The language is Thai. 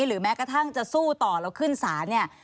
หรือแม้กระทั่งจะสู้ต่อแล้วขึ้นศาลเนี่ย